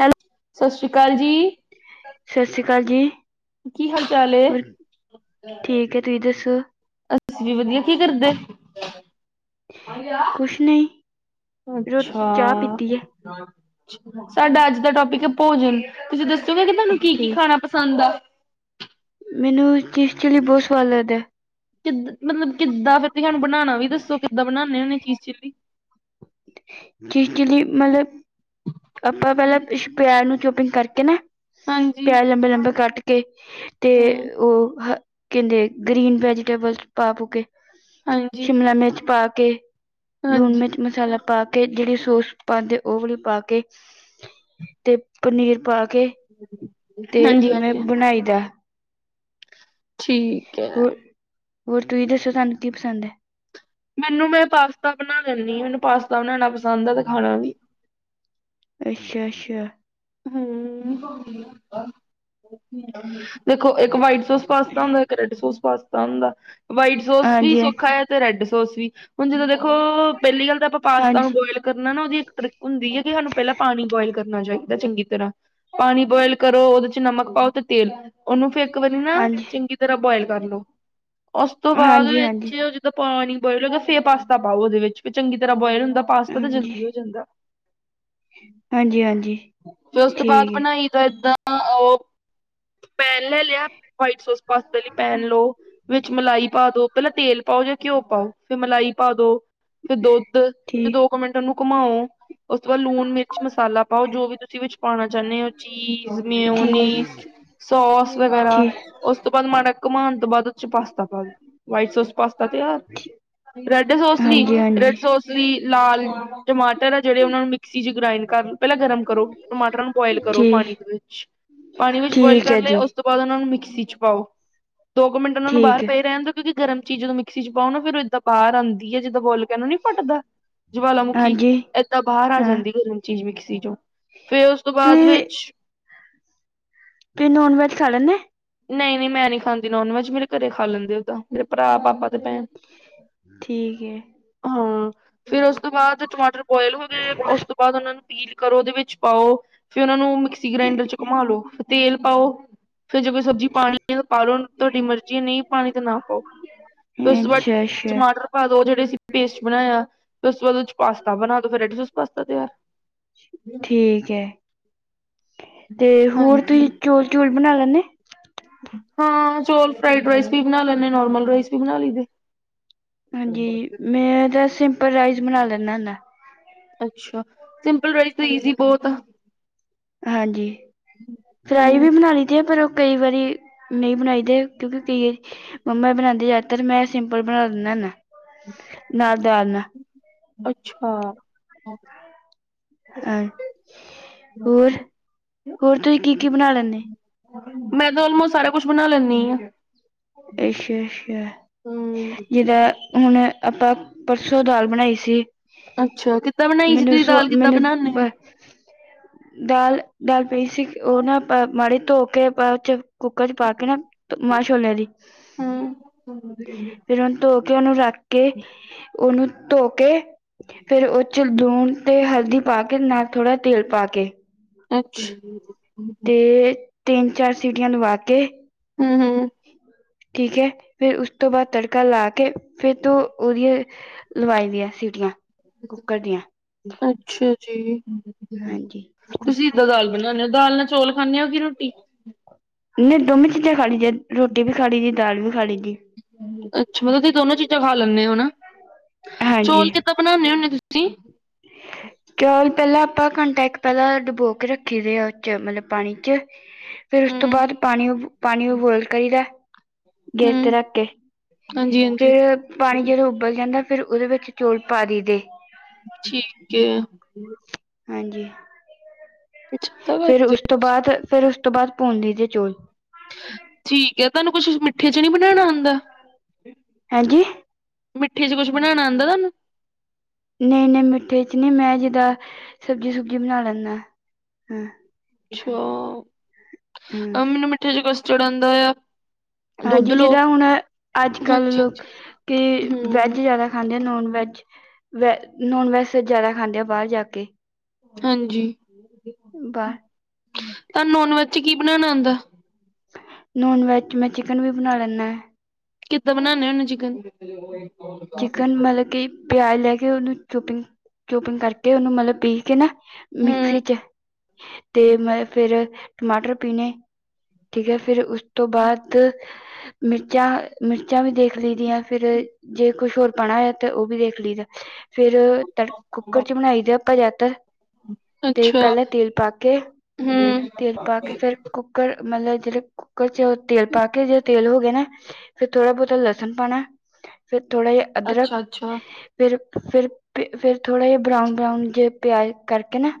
Hello ਸਤਿ ਸ੍ਰੀ ਅਕਾਲ ਜੀ। ਸਤਿ ਸ੍ਰੀ ਅਕਾਲ ਜੀ। ਕੀ ਹਾਲ ਚਾਲ ਏ ਹੋਰ, ਠੀਕ ਹੈ? ਤੁਸੀਂ ਦੱਸੋ? ਅਸੀਂ ਵੀ ਵਧੀਆ, ਕੀ ਕਰਦੇ? ਕੁਛ ਨਹੀਂ ਰੋ ਅੱਛਾ ਚਾਹ ਪੀਤੀ ਹੈ ਸਾਡਾ ਅੱਜ ਦਾ ਟੋਪਿਕ ਹੈ, ਭੋਜਨ, ਤੁਸੀਂ ਦੱਸੋਗੇ ਕਿ ਤੁਹਾਨੂੰ ਕੀ-ਕੀ ਠੀਕ ਖਾਣਾ ਪਸੰਦ ਸੰੰਦਾ ਮੈਨੂੰ ਵੀ ਚੀਜ਼ ਚਿੱਲੀ ਬਹੁਤ ਸਵਾਦ ਲੱਗਦਾ। ਕਿੱਦ ਮਤਲਬ ਕਿੱਦਾਂ ਫੇਰ ਤੁਸੀਂ ਸਾਨੂੰ ਬਣਾਉਣਾ ਵੀ ਦੱਸੋ? ਕਿੱਦਾਂ ਬਣਾਉਂਦੇ ਹੋੇ ਚੀਜ਼ ਚਿੱਲੀ। ਚੀਜ਼ ਚਿੱਲੀ ਮਤਲਬ? ਆਪਾਂ ਪਹਿਲਾਂ ਪਿਆਜ ਨੂੰ ਚੋਪਿੰਗ ਕਰਕੇ ਨਾ, ਹਾਂਜੀ ਪਿਆਜ਼ ਲੰਬੇ-ਲੰਬੇ ਕੱਟ ਕੇ, ਹਮ ਤੇ ਉਹ ਕਹਿੰਦੇ ਗ੍ਰੀਨ ਵੈਜੀਟੇਬਲ ਪਾ ਪੁਕੇ। ਹਾਂਜੀ ਸ਼ਿਮਲਾ ਮਿਰਚ ਪਾ ਕੇ ਲੂਣ, ਹਾਂਜੀ ਮਿਰਚ, ਮਸਾਲਾ ਪਾ ਕੇ, ਜਿਹੜੀ ਸੋਸ ਪਾਉਂਦੇ, ਉਹ ਵਾਲਲੀ ਪਾ ਕੇ, ਤੇ ਪਨੀਰ ਪਾ ਕੇ ਕੇ, ਤੇ ਹਾਂਜੀ ਮੈਂ ਹਾਂਜੀ ਬਣਾਈ ਦਾ। ਠੀਕ ਹੈ। ਹੋਰ ਹੋਰ ਤੁਸੀਂ ਦੱਸੋ ਤੁਹਾਨੂੰ ਕੀ ਪਸੰਦ ਹੈ? ਮੈਨੂੰ ਮੈਂ ਪਾਸਤਾ ਬਣਾ ਲੈਂਦੀ ਹਾਂ, ਮੈਨੂੰ ਪਾਸਤਾ ਬਣਾਣਾ ਪਸੰਦ ਆ, ਤੇ ਖਾਣਾ ਵੀ। ਅੱਛਾ ਅੱਛਾ ਹੂ, ਹੋ ਗਯਾ ਦੇਖੋ ਇੱਕ ਵਾਈਟ ਸੋਸ ਪਾਸਤਾ ਹੁੰਦਾ, ਇੱਕ ਰੈੱਡ ਸੋਸ ਪਾਸਤਾ ਹੁੰਦਾ, ਵਾਈਟ ਸੋਸ ਵੀ ਹਾਂਜੀ ਹਾਂਜੀ ਸੌਖਾ ਹੈ। ਤੇ ਰੈੱਡ ਸੋਸ ਵੀ, ਹੁਣ ਜਦੋਂ ਦੇਖੋ ਪਹਿਲੀ ਗੱਲ ਤਾਂ ਆਪਾਂ ਪਾਸਤਾ ਨੂੰ ਬੋਆਇਲ ਕਰਨਾ ਨਾ, ਉਹਦੀ ਇੱਕ ਹੁੰਦੀ ਹੈ, ਕਿ ਸਾਨੂੰ ਪਹਿਲਾਂ ਪਾਣੀ ਬੋਆਇਲ ਕਰਨਾ ਚਾਹੀਦਾ ਚੰਗੀ ਤਰ੍ਹਾਂ, ਪਾਣੀ ਬੋਆਇਲ ਕਰੋ ਉਹਦੇ ਚ ਨਮਕ ਪਾਓ ਤੇ ਤੇਲ, ਉਹਨੂੰ ਫਿਰ ਇਕ ਵਾਰੀ ਨਾ ਹਾਂਜੀ ਚੰਗੀ ਤਰ੍ਹਾਂ ਬੋਇਆਲ ਕਰ ਲੋ, ਉਸ ਤੋਂ ਬਾਅਦ ਹਾਂਜੀ ਹਾਂਜੀ ਵਿੱਚ ਪਾਣੀ ਬੋਆਇਲ ਹੋਏ, ਫਿਰ ਪਾਸਤਾ ਪਾਓ ਉਹਦੇ ਵਿੱਚ, ਚੰਗੀ ਤਰ੍ਹਾਂ ਬੋਆਇਲ ਹੁੰਦਾ, ਪਾਸਤਾ ਤਾਂ ਹਾਂਜੀ ਜਲਦੀ ਹੋ ਜਾਂਦਾ ਹਾਂਜੀ ਹਾਂਜੀ ਫਿਰ ਉਸ ਤੋਂ ਬਾਅਦ ਠੀਕ ਹੈ ਬਣਾਈ ਦਾ, ਏਦਾਂ ਉਹ ਪੈਨ ਲੈ ਲਿਆ, ਵਾਈਟ ਸੋਸ ਪਾਸਤਾ ਲਈ ਪੈਨ ਲੋ। ਵਿੱਚ ਮਲਾਈ ਪਾ ਦੋ, ਪਹਿਲਾਂ ਤੇਲ ਪਾਓ ਜਾਂ ਘਿਓ ਪਾਓ ਫਿਰ ਮਲਾਈ ਪਾ ਦੋ। ਫਿਰ ਦੁੱਧ, ਫਿਰ ਠੀਕ ਦੋ ਕੁ ਮਿੰਟ ਉਹਨੂੰ ਘੁਮਾਓ, ਉਸ ਤੋਂ ਬਾਅਦ ਲੂਣ ਮਿਰਚ ਮਸਾਲਾ ਪਾਓ ਜੋ ਵੀ ਫਿਰ ਵਿੱਚ ਪਾਉਣਾ ਚਾਹੁੰਨੇ ਹੋ ਚੀਜ਼, ਮਿਉਨੀਜ਼ ਠੀਕ ਸੋਸ ਵਗੈਰਾ ਠੀਕ ਉਸ ਤੋਂ ਬਾਅਦ, ਮਾੜਾ ਘੁੰਮਾਉਣ ਤੋਂ ਬਾਅਦ ਚ ਪਾਸਤਾ ਪਾ ਦੋ, ਵਾਈਟ ਸੋਸ ਪਾਸਤਾ ਤੈਯਾਰ, ਰੈਡ ਸੋਸ ਨੀ, ਹਾਂਜੀ ਰੈਡ ਹਾਂਜੀ ਸੋਸ ਚ ਤੁਸੀਂ ਲਾਲ ਟਮਾਟਰ ਆ ਜਿਹੜੇ ਉਹਨਾਂ ਨੂੰ ਮਿਕਸੀ ਚ ਗ੍ਰਾਇੰਡ ਕਰ ਲੋ, ਪਹਿਲਾਂ ਗਰਮ ਕਰੋ ਟਮਾੱਟਰ ਨੂੰ ਬੋਆਇਲ ਕਰੋ ਪਾਣੀ ਠੀਕ ਦੇ ਵਿੱਚ, ਪਾਣੀ ਵਿੱਚ ਬੋਆਇਲ ਠੀਕ ਕਰ ਹੈ ਲਏ, ਉ ਜੀ ਉਸ ਤੋਂ ਬਾਅਦ ਉਹਨਾਂ ਨੂੰ ਮਿਕਸੀ ਚ ਪਾਓ, ਦੋ ਕੁ ਮਿੰਟ ਉਹਨਾਂ ਨੂੰ ਬਾਹਰ ਠੀਕ ਹੈ ਪਏ ਰਹਿਣ ਦੋ ਕਿਉਂਕੀ ਗਰਮ ਚੀਜ਼ ਜਦੋਂ ਮਿਕਸੀ ਚ ਪਾਓ ਫਿਰ ਏਦਾਂ ਬਾਹਰ ਆਂਦੀ ਹੈ, ਜਿੱਦਾਂ ਵੋਲਕੈਨੋ ਨੀ ਫਟੱਦਾ ਜਵਾਲਾਮੁੱਖੀ, ਹਾਂਜੀ ਏਦਾਂ ਬਾਹਰ ਆ ਹਾਂ ਜਾਂਦੀ ਗਰਮ ਚੀਜ਼ ਮਿਕਸੀ ਚੋਂ। ਫਿਰ ਉਸ ਤੋਂ ਬਾਅਦ ਤੁਸੀਂ ਵਿੱਚ ਤੁਸੀਂ ਨੋਨ ਵੈੱਜ ਖਾ ਲੈਂਦੇ ਹੋ ਨਹੀਂ ਨਹੀਂ ਮੈਂ ਨੀ ਖਾਂਦੀ ਨੋਨ ਵੈਜ, ਮੇਰੇ ਘਰੇ ਖਾ ਲੈਂਦੇ ਓਦਾਂ, ਮੇਰੇ ਭਰਾ ਪਾਪਾ ਦੁਪਹਿਰ ਠੀਕ ਹੈ ਹਾਂ, ਫਿਰ ਉਸ ਤੋਂ ਬਾਅਦ ਟਮਾਟਰ ਬੋਆਇਲ ਹੋ ਗਏ, ਉਸ ਤੋਂ ਬਾਅਦ ਉਹਨਾਂ ਨੂੰ ਪੀਲ ਕਰੋ, ਉਹਦੇ ਵਿੱਚ ਪਾਓ, ਫਿਰ ਉਹਨਾਂ ਨੂੰ ਮਿਕਸੀ ਗ੍ਰੈਂਡਰ ਚ ਘੁੰਮਾ ਲੋ, ਫਿਰ ਤੇਲ ਪਾਓ ਫਿਰ ਜੇ ਕੋਈ ਸਬਜ਼ੀ ਪਾਣੀ ਹੈ ਤਾਂ ਪਾ ਲੋ ਤੁਹਾੱਡੀ ਮਰਜ਼ੀ ਹੈ, ਨਹੀਂ ਪਾਣੀ ਤਾਂ ਨਾ ਪਾਓ। ਫਿਰ ਉਸ ਤੋਂ ਬਾਅਦ, ਅੱਛਾ ਅੱਛਾ ਟਮਾਟਰ ਪਾ ਦੋ, ਉਹ ਜਿਹੜੇ ਅਸੀ ਪੇਸਟ ਬਣਾਇਆ, ਫਿਰ ਉਸ ਤੋਂ ਬਾਅਦ ਉਹਦੇ ਚ ਪਾਸਤਾ ਬਣਾ ਦੋ, ਫਿਰ ਰੈਡ ਸੋਸ ਪਾਸਤਾ ਤਿਆਰ। ਠੀਕ ਹੈ, ਤੇ ਹੋਰ ਤੁਸੀਂ ਹਾਂਜੀ ਚੋਲ ਚੋਲ ਬਣਾ ਲੈਂਨੇ ਹਾਂ ਚੋਲ ਫਰਾਈਡ ਰਾਈਸ ਵੀ ਬਣਾ ਲੈਂਦੇ ਨੋਰਮਲ ਰਾਈਸ ਵੀ ਬਣਾ ਲਈਦੇ ਹਾਂਜੀ ਮੈਂ ਤਾਂ ਸਿੰਪਲ ਰਾਈਸ ਬਣਾ ਲੈਂਦਾ ਹੁੰਦਾ ਅੱਛਾ ਸਿੰਪਲ ਰਾਈਸ ਤਾਂ ਈਜ਼ੀ ਬਹੁਤ ਆ ਹਾਂਜੀ ਫਰਾਈ ਹਮ ਵੀ ਬਣਾ ਲਈ ਦੇ ਆ ਪਰ ਕਈ ਵਾਰੀ ਨਹੀਂ ਬਣਾਈ ਦੇ ਕਿਉਂਕਿ ਕਈ ਵਾਰੀ ਮੰਮਾ ਬਣਾਉਂਦੀ ਜ਼ਿਆਦਤਰ ਮੈਂ ਸਿੰਪਲ ਬਣਾ ਦਿੰਦਾ ਨਾਲ ਦਾਲ ਨਾਲ ਅੱਛਾ ਹਾਂ ਹੋਰ ਹੋਰ ਤੁਸੀਂ ਕੀ ਕੀ ਬਣਾ ਲੈਂਦੇ ਮੈਂ ਤਾਂ ਆਲਮੋਸਟ ਸਾਰਾ ਕੁਛ ਬਣਾ ਲੈਂਣੀ ਆ ਅੱਛਾ ਅੱਛਾ ਹਮ ਜਿੱਦਾ ਹੁਣ ਆਪਾਂ ਪਰਸੋਂ ਦਾਲ ਬਣਾਈ ਸੀ ਅੱਛਾ ਕਿੱਦਾਂ ਬਣਾਈ ਸੀ ਮੈਨੂੰ ਤੁਸੀਂ ਸੋ ਦਾਲ ਕਿੱਦਾਂ ਮੈਨੂੰ ਬਣਾਦੇ ਆ ਬ- ਦਾਲ ਦਾਲ ਪੀ ਸੀ ਉਹ ਨਾ ਮਾੜੀ ਧੋ ਕੇ ਕੁੱਕਰ ਚ ਪਾ ਕੇ ਨਾ ਮਾਂਹ ਛੋਲਿਆਂ ਦੀ ਹਾਂ ਫਿਰ ਉਹਨੂੰ ਧੋ ਕੇ ਉਹਨੂੰ ਰੱਖ ਕੇ ਉਹਨੂੰ ਧੋ ਕੇ ਫਿਰ ਉਹਦੇ ਚੱ ਲੂਣ ਤੇ ਹਲਦੀ ਪਾ ਕੇ ਨਾਲ ਥੋੜਾ ਤੇਲ ਪਾ ਕੇ ਅੱਛਾ ਤੇ ਤਿੰਨ ਚਾਰ ਸੀਟੀਆਂ ਦਵਾ ਕੇ ਹਮ ਹਮ ਠੀਕ ਹੈ ਫੇਿਰ ਉਸ ਤੋਂ ਬਾਅਦ ਤੜਕਾ ਲਾ ਕੇ ਫੇਿਰ ਤੂੰ ਉਹਦੀਆਂ ਲਵਾਈ ਦੀਆਂ ਸੀਿਟੀਆਂ ਕੁੱਕਰ ਦੀਆਂ ਅੱਛਾ ਜੀ ਹਾਂਜੀ ਤੁਸੀਂ ਇੱਦਾਂ ਦਾਲ ਬਣਾਉਦੇ ਹੋ ਦਾਲ ਨਾਲ ਚੌਲ ਖਾਂਦੇ ਹੋ ਕਿ ਰੋਟੀ ਨਹੀਂ ਦੋਵੇਂ ਚੀਜ਼ਾਂ ਖਾ ਲਈ ਜ ਰੋਟੀ ਵੀ ਖਾ ਲਈ ਜੀ ਦਾਲ ਵੀ ਖਾ ਲਈ ਜੀ ਅੱਛਾ ਮਤਲਬ ਤੁਸੀਂ ਦੋਨੋ ਚੀਜ਼ਾਂ ਖਾ ਲੈਂਦੇ ਹੋ ਹਨ ਚੋਲ ਹਾਂਜੀ ਕਿੱਦਾਂ ਬਣਾਉਂਦੇ ਹੁੰਦੇ ਹੋ ਤੁਸੀਂ ਚੌਲ ਪਹਿਲਾਂ ਆਪਾਂ ਘੰਟਾ ਇੱਕ ਪਹਿਲਾਂ ਡੁਬੋ ਕੇ ਰੱਖੀ ਦੇ ਆ ਉਹ ਚ ਮਤਲਬ ਪਾਣੀ ਚ ਫੇਿਰ ਉਸ ਤੋਂ ਹਮ ਬਾਅਦ ਪਾਣੀ ਪਾਣੀਬੋਇਲ ਕਰੀਦਾ ਗੈਸ ਤੇ ਹਮ ਰੱਖ ਕੇ ਹਾਂਜੀ ਹਾਂਜੀ ਫੇਰ ਪਾਣੀ ਜਦੋਂ ਉਬਲ ਜਾਂਦਾ ਫਿਰ ਉਹਦੇ ਵਿੱਚ ਚੌਲ ਪਾ ਦਈ ਦੇ ਠੀਕ ਹੈ ਹਾਂਜੀ ਅੱਛਾ ਏਦਾਂ ਫੇਿਰ ਕਰਦੇ ਉਸ ਤੋਂ ਬਾਅਦ ਫਿਰ ਉਸ ਤੋਂ ਬਾਅਦ ਪੁਣ ਲਈਦੇ ਚੌਲ ਠੀਕ ਹੈ ਤੁਹਾਨੂੰ ਕੁੱਛ ਮਿੱਠੇ ਚ ਨ ਬਣਾਉਣਾ ਹੁੰਦਾ ਹਂਜੀ ਮਿੱਠੀ ਚ ਕੁਛ ਬਣਾਉ ਆਉਂਦਾਨੂੰ ਨਹੀਂ ਨਹੀਂ ਮਿੱਠੇ ਚ ਨਹੀਂੀ ਮੈਂ ਜਿਦਾਂ ਸਬਜ਼ੀ ਸੁਬਜੀ ਬਣਾ ਲੈਂਦਾ ਹ ਅੱਛਾ ਹਾਂ ਅਹ ਮੈਨੂੰ ਮਿੱਠੇ ਚ ਕਸਟਡ ਆਉਂਦਾ ਆ ਦੁੱਧ ਹਾਂਜੀ ਲਓ ਜਿੱਦਾਂ ਹੁਣ ਅੱਜ ਕੱਲ੍ਹ ਹਾਂਜੀ ਲੋਕ ਹਾਂਜੀ ਕਿ ਵੈਜ ਹਮ ਜ਼ਿਆਦਾ ਖਾਂਦੇ ਆ ਨੋਨ ਵੈਜ ਵ ਨੋਨ ਵੈਜ ਜ਼ਿਆਦਾ ਖਾਂਦੇ ਆ ਬਾਹਰ ਜਾ ਕੇ ਹਾਂਜੀ ਬਾਹਰ ਤਾਂ ਨੋਨ ਵੈਜ ਕੀ ਬਣਾਣਾ ਆਉਂਦਾ ਨੋਨ ਵੈਜ ਮੈਂ ਚਿਕਨ ਵੀ ਬਣਾ ਲੈਂਦਾ ਹੈ ਕਿੱਦਾਂ ਬਣਾੇ ਹਨ ਚਿਕਨ ਚਿਕਨ ਮਤਲਬ ਕਿ ਪਿਆਜ ਲੈ ਕੇ ਉਹਨੂੰ ਚੌਪਿੰਗ ਚੌਪਿੰਗ ਕਰਕੇ ਉਹਨੂੰ ਮਤਲਬ ਪੀ ਕੇ ਨਾ ਹੂੰ ਮਿਕਸੀ ਚ ਤੇ ਮ ਫੇਿਰ ਟਮਾਟਰ ਪੀਣੇ ਠੀਕ ਹੈ ਫਿਰ ਉਸ ਤੋਂ ਬਾਅਦ ਮਿਰਚਾਂ ਮਿਰਚਾਂ ਵੀ ਦੇਖ ਲਈ ਦੀਆਂ ਫਿਰ ਜੇ ਕੁਝ ਹੋਰ ਪਣਾ ਹੋ ਤੇ ਉਹ ਵੀ ਦੇਖ ਲਈਦਾ ਫੇਰ ਤੜ ਕੁੱਕਰ ਚ ਬਣਾਈ ਦੇ ਆਪਾਂ ਜ਼ਿਆਤਰ ਤੇ ਅੱਛਾ ਪਹਿਲਾਂ ਤੇਲ ਪਾ ਕੇ ਹੂੰ ਤੇਲ ਪਾ ਕੇ ਫੇਰ ਕੁੱਕਰ ਮਤਲਬ ਜਿਹੜੇ ਕੁੱਕਰ ਚ ਤੇਲ ਪਾ ਕੇ ਜ ਤੇਲ ਹੋ ਗ ਨਾ ਫੇਰ ਥੋੜਾ ਬਹੁਤਾ ਲਸਣ ਪਾਣਾ ਫੇਿਰ ਥੋੜਾ ਜਿਹਾ ਅਦਰਕ ਅੱਛਾ ਅੱਛਾ ਫਿਰ ਫਿਰ ਫਿਰ ਥੋੜਾ ਜਿਹਾ ਬਰਾਊਨ ਬਰਾਊਨ ਜੇ ਪਿਆਜ ਕਰਕੇ ਨਾ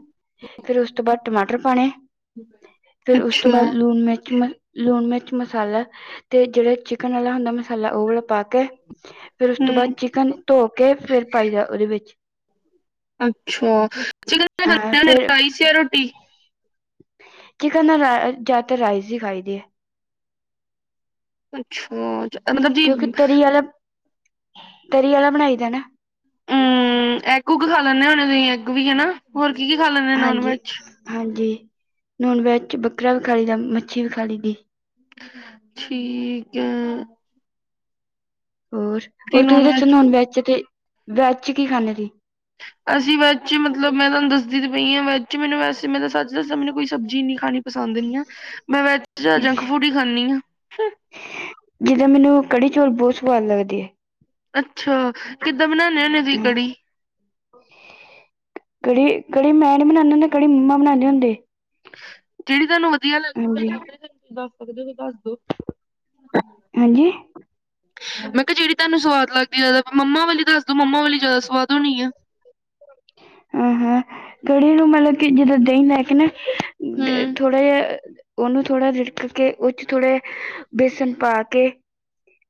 ਫੇਿਰ ਉਸ ਤੋਂ ਬਾਅਦ ਟਮਾਟਰ ਪਾਣੇ ਫੇਰ ਉਸ ਤੋਂ ਅੱਛਾ ਬਾਅਦ ਲੂਣ ਮਿਰਚ ਲੂਣ ਮਿਰਚ ਮਸਾਲਾ ਤੇ ਜਿਹੜਾ ਚਿਕਨ ਵਾਲਾ ਹੁੰਦਾ ਮਸਾਲਾ ਉਹ ਵਾਲਾ ਪਾ ਫੇਿਰ ਉਸ ਤੋਂ ਹੂੰ ਬਾਅਦ ਚਿਕਨ ਧੋ ਕੇ ਫਿਰ ਪਾਈ ਜਾ ਉਹਦੇ ਵਿੱਚ ਅੱਛਾ ਚਿਕਨ ਅਹ ਖ ਫਿਰ ਰਸ ਜਾਂ ਰੋਟੀ ਚਿਕਨ ਨਾ ਜਿਆਦਾਤਰ ਰਾਈਸ ਹੀ ਖਾਈ ਦੀ ਹੈ ਅੱਛਾ ਮਤਲਬ ਜੀ ਕਿਉਂਕਿ ਤਰੀ ਵਾਲਾ ਤਰੀ ਵਾਲਾ ਬਣਾ ਦੇਣਾ ਹਮ ਐਗ ਉੱਗ ਖਾ ਲੈਂਦੇ ਹਣੇ ਤੁਸੀਂ ਐੱਗ ਵੀ ਹਨਾ ਹੋਰ ਕੀ ਕੀ ਖਾ ਲੈਂਦੇ ਨੋਨ ਹਾਂਜੀ ਵੈਜ ਹਾਂਜੀ ਨੁਣ ਵੈ ਚ ਬੱਕਰਾ ਵੀ ਖੀ ਦਾ ਮੱਛੀ ਵੀ ਖੀ ਦੀ ਠੀਕ ਹੈ ਹੋਰ ਹੋਰ ਤੁਸੀਂ ਦੱਸਣ ਹੁਣ ਵੈਜ ਤੇ ਵੈਜ ਚ ਕੀ ਖਾਣੇ ਸੀ ਅਸੀਂ ਵੈ ਹੀ ਮਤਲਬ ਮੈਂ ਤੁਹਾਨੂੰ ਦੱਸਦੀ ਪਈ ਹਾਂ ਵੈ ਮੈਨੂੰ ਵੈਸੇ ਮੈਂ ਤਾਂ ਸੱਚ ਦੱਸਿਆ ਮੈਨੂੰ ਕੋਈ ਸਬਜ਼ੀ ਇਨੀ ਖਾਣੀ ਪਸੰਦ ਨਹੀਂੀ ਆ ਮੈਂ ਵ ਜੰਕ ਤੁਸੀਂ ਫੂਡ ਹੀ ਖਾਂਦੀ ਹਾਂ ਜਿੱਦਾਂ ਮੈਨੂੰ ਕੜੀ ਚੌਲ ਬਹੁਤ ਸਵਾਦ ਲੱਗਦੀ ਅੱਛਾ। ਕਿੱਦਾਂ ਬਣਾਉੇ ਹੋੇ ਤੁਸੀਂ ਆ ਕੜੀ। ਕੜੀ ਕੜੀ ਮੈਂ ਨ ਬਣਾਉਂਦੇ ਹੁੰਦੇ ਕਿ ਕੜੀ ਮੰਮਾ ਬਣਾਉਦੇ ਹੁੰਦੇ। ਕਿਿਹੜੀ ਤੁਹਾਨੂੰ ਵਧੀਆ ਲੱਗਦੀ ਹੁੰਦੇ ਹਾਂਜੀ ਪੈਦਾਵਾਰ ਤੁਹਾਨੂੰ ਤੁਸੀਂ ਦੱਸ ਸਕਦੇ ਹੋ ਬ ਹਾਂਜੀ। ਮੈਂ ਕਿਹਾ ਜਿੜੀ ਤੁਹਾਨੂੰ ਸਵਾਦ ਲੱਗਦੀ। ਜਿਆਦਾ ਮੰਮਾ ਵਾਲੀ ਦੱਸ ਦੋ ਮੰਮਾ ਵਾਲੀ ਜਿਆਦਾ ਸਵਾਦ ਹੋਣੀ ਆ। ਹਾਂ, ਹਾਂ ਕੜੀ ਨੂੰ ਮਤਲਬ ਕਿ ਜਦੋਂ ਦਹੀਂਦਾ ਕੇ ਨਾ ਹੂੰ ਥੋੜਾ ਜਿਹਾ ਉਹਨੂੰ ਥੋੜਾਰਿੜਕ ਕੇ ਉਹ ਚ ਥੋੜੇ ਬੇਸਨ ਪਾ ਕੇ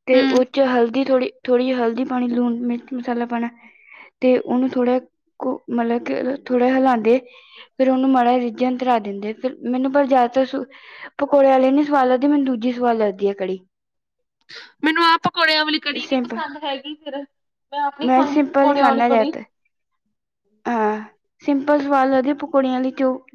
ਤੇ ਹੂੰ ਉਹ ਚ ਹਲਦੀ ਥੋੜੀ ਥੋੜ੍ਹੀ ਜਿਹੀ ਹਲਦੀ ਪਾਣੀ ਲੂਣ ਮਿਰਚ ਮਸਾਲਾ ਪਾਣਾ ਤੇ ਉਹਨੂੰ ਥੋੜਾ ਕੁ ਮਤਲਬ ਕਿ ਥੋੜਾ ਹਿਲਾਾਂਂਦੇ ਫੇਰ ਉਹਨੂੰ ਮਾੜਾ ਰਿੱਝ ਅਤਰਾ ਦਿੰਦੇ ਫਿਰ ਮੈਨੂੰ ਪਰ ਜ਼ਿਆਦਾਤਰ ਪਕੌੜੇ ਵਾਲੇ ਨੀ ਸਵਾਲ ਲੱਦੀ। ਮੈਨੂੰ ਦੂਜੀ ਸਵਦ ਲੱਗਦੀ ਹੈ ਕੜੀ। ਮੈਨੂੰ ਆਹ ਪਕੌੜਿਆਂ ਵਾਲੀ ਕੜੀ ਨੀ ਸਿੰਪਲ ਪਸੰਦ ਹੈਗੀ ਫਿਰ। ਮੈਂ ਆਪਣੀ ਖਾਂਦੀ ਸਿੰਪਲ ਹੀ ਪਕੌੜਿਆਂ ਵਾਲੀ ਖਾਂਦਾ ਘੜੀ। ਜ਼ਿਆਦਾਤਰ ਹਾਂ ਸਿੰਪਲ ਸਵਾਦ ਲੱਗਦੇ ਪਕੌੜਿਆਂੀ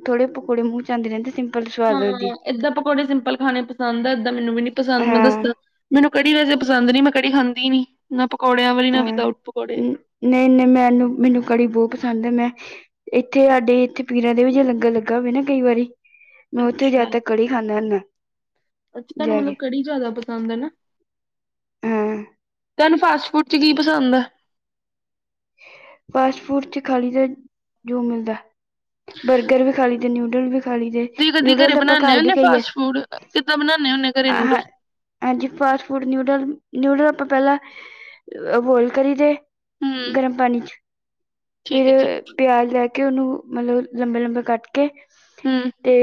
ਥੋੜੇ ਪਕੌੜੇ ਮੂੰਹ ਚ ਆਦੇ ਰਹਿੰਦੇ ਸਿੰਲ ਨਾ ਨਾ ਏਦਾਂ ਪਕੌੜੇ ਸਿੰਪਲ ਖਾਣੇ ਪਸੰਦ ਏਦਾਂ ਮੈਨੂੰ ਵੀ ਨੀ ਪਸੰ ਮੈਂ ਹਾਂ ਦੱਸਾਂ ਮੈਨੂੰ ਕੜੀ ਵੈਸੇਸੰਦ ਨੀ ਮੈਂ ਕੜੀ ਖਾਂਦੀ ਹੀ ਨੀ ਨਾ ਪਕੌੜਿਆਂ ਵਾਲੀ ਨਾ ਹਾਂ ਵਿਦਊਟ ਪਕੌੜੇ ਨ- ਨਹੀਂ, ਨਹੀਂ ਮੈਨੂੰ ਮੈਨੂੰ ਕੜੀ ਬਹੁਤ ਪਸੰਦ ਹੈ ਮੈਂ। ਇੱਥੇ ਸਾਡੇ ਇੱਥੇ ਪੀਰਾਂ ਦੇ ਵੀ ਜੇ ਲੰਗਰ ਲੱਗਾ ਹੋਵੇ ਨਾ ਕਈ ਵਾਰੀ। ਮੈਂ ਉੱਥੇ ਜਿਆਦਾ ਅੱਛਾ ਤੱਕ ਕੜੀ ਖਾਂਦਾ ਹਦਾ। ਅੱਛਾ ਤੁਹਾਨੂੰ ਮਤਲਬ ਕੜੀ ਜਿਆਦਾ ਪਸੰਦ ਹੈ ਨਾ। ਹਾਂ ਤੁੈਾਨੂੰ ਫਾਸਟ ਫੂਡ ਚ ਕੀ ਪਸੰਦ ਹੈ। ਫਾਸਟ ਫੂਡ ਚ ਖਾਲੀ ਦਾ ਜੋ ਮਿਲਦਾ ਬਰਗਰ ਵਿਖਾਲ ਲਈ ਤੇ ਨਿਊਡਲ ਵੀ ਖਾ ਲਈ ਦੇ ਤੁਸੀਂ ਕਦੀ ਨਿਊਡਲ ਘਰੇ ਤਾਂ ਆਪਾਂ ਬਣਾਉਂਦੇ ਘਰ ਹੁੰਦੇ ਫਾਸਟ ਫੂਡ ਕਿੱਦਾਂ ਬਣਾਦੇ ਹੁੰਦੇ ਘਰੇ ਆ ਹ। ਨੂਡਲ ਹਾਂਜੀ। ਫਾਸਟ ਫੂਡ ਨਿਊਡਲ ਨਿਊਡਲ ਆਪਾਂ ਪਹਿਲਾਂ ਕਸ ਬੋਇਲ ਕਰੀ ਦੇ। ਗਰਮ ਪਾਣੀ ਫਿਰ ਪਿਆਜ ਲੈ ਕੇ ਉਹਨੂੰ ਮਤਲਬ ਲੰਬੇ ਲੰਬੇ ਕੱਟ ਕੇ ਤੇ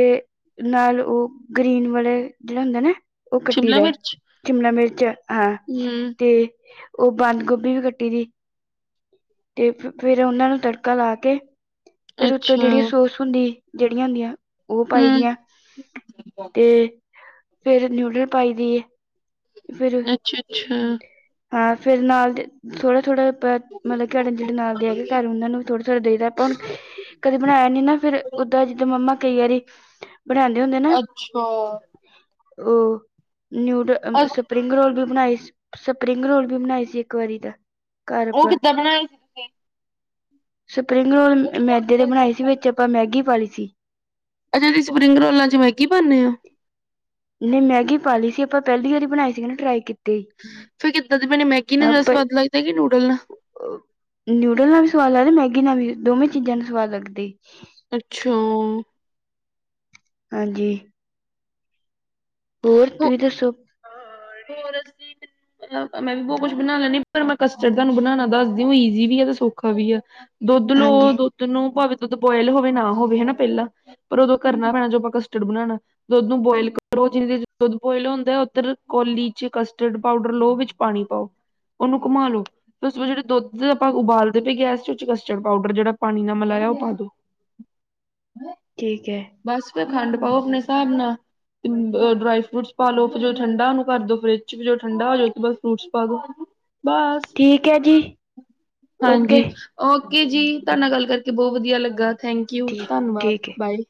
ਨਾਲ ਉਹ ਗ੍ਰੀਨ ਵਾਲੇ ਜਿਹੜਾ ਹੁੰਦਾ ਨਾ ਉਹ ਕੱਟੀ ਦਾ ਚਿਮਲਾ ਮਿਰਚ ਹਾਂ ਤੇ ਉਹ ਬੰਦ ਗੋਭੀ ਵੀ ਕੱਟੀ ਦੀ ਤੇ ਫਿਰ ਉਹਨਾ ਨੂੰ ਤੜਕਾ ਲਾ ਕੇ, ਫਿਰ ਉੱਤੋਂ ਜਿਹੜੀ ਸੋਸ ਹੁੰਦੀ, ਜਿਹੜੀਆਂ ਹੁੰਦੀਆਂ, ਉਹ ਪਾਈ ਦੀਆਂ। ਤੇ, ਫੇਰ ਨਿਊਡਲ ਪਾਈ ਦੀ ਏ ਫਿਰ ਅੱਛਾ, ਅੱਛਾ। ਹਾਂ ਫੇਰ ਨਾਲ ਦੇ, ਥੋੜ੍ਹਾ, - ਥੋੜ੍ਹਾ ਆਪਾਂ ਮਤਲਬ, ਕਿ ਸਾਡੇ ਜਿਹੜੇ ਨਾਲ ਦੇ ਹੈਗੇ ਘਰ ਉਹਨਾਂ ਨੂੰ ਵੀ ਥੋੜ੍ਹਾ-ਥੋੜ੍ਹਾ ਦੇਈ ਦਾ ਆਪਾਂ ਹੁਣ ਕਦੇ ਬਣਾਇਆ ਨੀ ਨਾ, ਫਿਰ ਉਦਾਂ ਜਿੱਦਾਂ ਮੰਮਾ ਕਈ ਵਾਰੀ ਬਣਾਉਂਦੇ ਹੁੰਦੇ ਨਾ, ਅੱਛਾ, ਉਹ ਨਿਊਡਲ, ਸਪ ਅਸ ਸਪਰਿੰਗ ਰੋਲ ਵੀ ਬਣਾਈ ਸੀ, ਸਪਰਿੰਗ ਰੋਲ ਵੀ ਬਣਾਈ ਸੀ, ਇੱਕ ਵਾਰੀ ਤਾਂ ਘਰ ਉਹ ਆਪਾਂ ਕਿੱਦਾਂ ਬਣਾਈ ਸੀ? ਤੁਸੀਂ? ਸਪਰਿੰਗ ਰੋਲ ਮੈਦੇ ਦੇ ਬਣਾਏ ਸੀ, ਵਿੱਚ ਆਪਾਂ ਮੈਗੀ ਪਾ ਲਈ ਸੀ। ਅੱਛਾ, ਤੁਸੀ ਸਪਰਿੰਗ ਰੋਲਾਂ ਚ ਮੈਗੀ ਪਾਂਨੇ ਓ? ਨਹੀਂ ਮੈਗੀ ਪਾ ਲਈ ਸੀ, ਆਪਾਂ ਪਹਿਲੀ ਵਾਰੀ ਬਣਾਈ ਸੀਗੀ ਨਾ, ਟਰਾਈ ਕੀਤੀ। ਫੇਰ ਕਿੱਦਾਂ ਦੀ ਬਨੀ? ਮੈਗੀ ਨਾਲ ਜਿਆਦਾ ਸਵਾਦ ਲੱਗਦੀ ਕਿ ਨੂਡਲ ਨਾ ਨਿਊਡਲ ਨਾਲ ਵੀ ਸਵਾਦ ਲੱਗਦੇ, ਮੈਗੀ ਨਾਲ ਵੀ, ਦੋਵੇਂ ਚੀਜ਼ਾਂ ਨਾਲ ਸਵਾਦ ਲੱਗਦੀ। ਅੱਛਾ। ਹਾਂਜੀ। ਹੋਰ ਹੋ ਤੁਸੀਂ ਦੱਸੋ? ਹੋਰ, ਅਸੀਂ [unintelligible] ਮੈਂ ਵੀ ਬਹੁਤ ਕੁਛ ਬਨਾ ਲੈੰਨੀ ਆ, ਪਰ ਮੈਂ ਕਸਟਰਡ ਤੁਹਾਨੂੰ ਬਣਾਉਣਾ ਦੱਸਦੀ ਉਹ ਈਜ਼ੀ ਵੀ ਆ, ਤੇ ਸੌਖਾ ਵੀ ਆ। ਦੁੱਧ ਲਓ, ਹਾਂਜੀ ਦੁੱਧ ਨੂੰ ਭਾਵੇਂ ਦੁੱਧ ਬੋਆਇਲ ਹੋਵੇ, ਨਾ ਹੋਵੇ, ਹੈਨਾ ਪਹਿਲਾਂ, ਪਰ ਉਦੋਂ ਕਰਨਾ ਪੈਣਾ, ਜਦੋਂ ਆਪਾਂ ਕਸਟਰਡ ਬਣਾਉਣਾ। ਦੁੱਧ ਨੂੰ ਬੋਆਇਲ ਕਰੋ, ਜਿਨੀ ਦੇਰ ਚ ਦੁੱਧ ਬੋਆਇਲ ਹੁੰਦਾ ਹੈ, ਉੱਧਰ ਕੌਲੀ ਚ ਕਸਟਰਡ ਪਾਊਡਰ ਲਉ, ਵਿੱਚ ਪਾਣੀ ਪਾਓ, ਉਹਨੂੰ ਘੁੰਮਾ ਲਉ। ਤੇ ਉਸ ਵਿਚ, ਜੋ ਦੁੱਧ ਆਪਾਂ ਉਬਾਲਦੇ ਪਏ ਗੈਸ ਚ, ਕਸਟਰਡ ਪਾਊਡਰ ਜਿਹੜਾ ਪਾਣੀ ਨਾਲ ਮਿਲਾਇਆ ਉਹ ਪਾ ਦੋ। ਹੈ। ਠੀਕ ਹੈ। ਬਸ ਫਿਰ ਖੰਡ ਪਾਓ, ਆਪਣੇ ਹਿਸਾਬ ਨਾਲ। ਡਰਾਈ ਫਰੂਟਸ ਪਾ ਲਓ, ਫਿਰ ਜੋ ਠੰਡਾ ਉਹਨੂੰ ਕਰ ਦੋ ਫਰਿੱਜ ਚ ਠੰਡਾ ਹੋ ਜੇ ਤੇ ਬਸ, ਫਰੂਟਸ ਪਾ ਦੋ, ਬਸ, ਠੀਕ ਹੈ ਜੀ ਓਕੇ ਹਾਂਜੀ। ਓਕੇ ਜੀ! ਤੁਹਾਡੇ ਨਾਲ ਗੱਲ ਕਰਕੇ ਬਹੁਤ ਵਧੀਆ ਲੱਗਾ, ਥੈਂਕ ਯੂ, ਠੀਕ ਧੰਨਵਾਦ, ਠੀਕ ਹੈ ਬਾਏ।